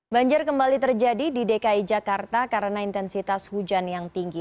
banjir kembali terjadi di dki jakarta karena intensitas hujan yang tinggi